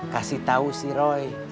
kasih tau si roy